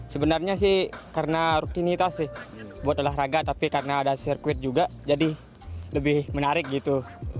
sebenarnya sih karena rutinitas sih buat olahraga tapi karena ada sirkuit juga jadi lebih menarik gitu